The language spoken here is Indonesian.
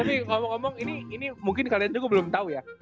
tapi ngomong ngomong ini mungkin kalian juga belum tahu ya